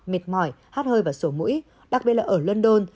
mệt mỏi hát hơi và sổ mũi đặc biệt là ở london